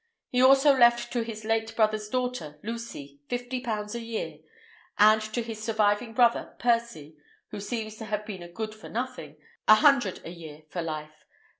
He also left to his late brother's daughter, Lucy, fifty pounds a year, and to his surviving brother Percy, who seems to have been a good for nothing, a hundred a year for life.